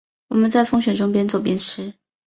我们在风雪中边走边吃